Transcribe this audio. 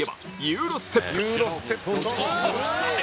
「ユーロステップ」